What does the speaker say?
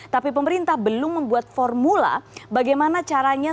tapi pemerintah belum membuat formula bagaimana caranya